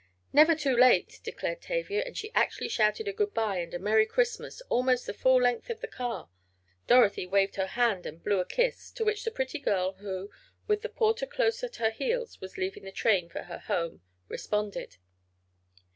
"Never too late," declared Tavia, and she actually shouted a good bye and a merry Christmas almost the full length of the car. Dorothy waved her hand and "blew" a kiss, to which the pretty girl who, with the porter close at her heels, was leaving the train for her home, responded.